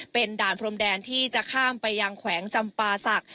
เป็นด่านพรมแดนที่จะข้ามไปยังแขวงจำปาศักดิ์